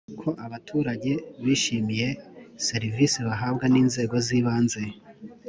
ko abaturage bishimiye serivisi bahabwa n inzego z’ibanze